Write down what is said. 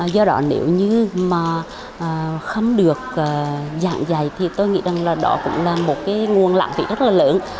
do đó nếu như mà không được dạng dạy thì tôi nghĩ rằng là đó cũng là một cái nguồn lãng phí rất là lớn